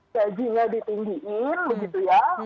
gajinya ditinggiin begitu ya